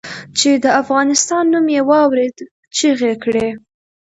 چې د افغانستان نوم یې واورېد چیغې یې کړې.